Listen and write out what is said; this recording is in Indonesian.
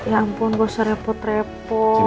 ya ampun gak usah repot repo